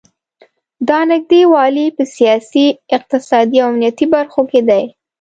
دا نږدې والی په سیاسي، اقتصادي او امنیتي برخو کې دی.